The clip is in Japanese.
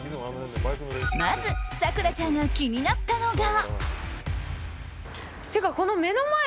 まず、咲楽ちゃんが気になったのが。